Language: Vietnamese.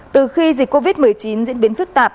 từ khi dịch covid một mươi chín diễn biến phức tạp